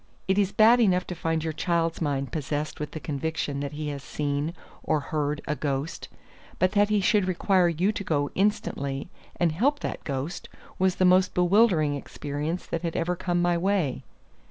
It is bad enough to find your child's mind possessed with the conviction that he has seen, or heard, a ghost; but that he should require you to go instantly and help that ghost was the most bewildering experience that had ever come my way.